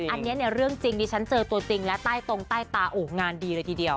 อันนี้เนี่ยเรื่องจริงดิฉันเจอตัวจริงและใต้ตรงใต้ตาโอ้งานดีเลยทีเดียว